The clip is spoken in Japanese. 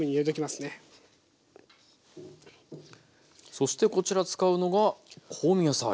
そしてこちら使うのが香味野菜。